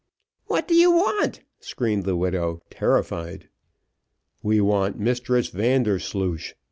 "What do you want?" screamed the widow, terrified. "We want Mistress Vandersloosh.